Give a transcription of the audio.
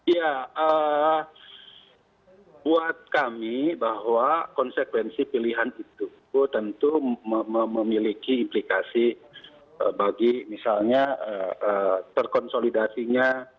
ya buat kami bahwa konsekuensi pilihan itu tentu memiliki implikasi bagi misalnya terkonsolidasinya